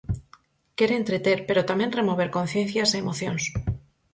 Quere entreter, pero tamén remover conciencias e emocións.